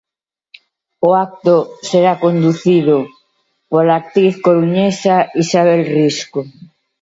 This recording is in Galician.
O acto será conducido pola actriz coruñesa Isabel Risco.